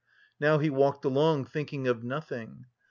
Now he walked along, thinking of nothing.